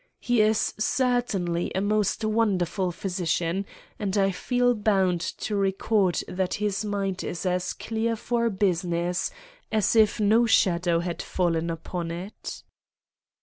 He is certainly a most wonderful physician, and I feel bound to record that his mind is as clear for business as if no shadow had fallen upon it.